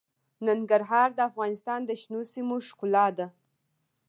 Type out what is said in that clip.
ننګرهار د افغانستان د شنو سیمو ښکلا ده.